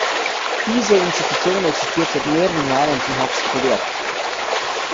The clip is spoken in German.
Diese Institution existiert seit mehreren Jahren, und sie hat sich bewährt.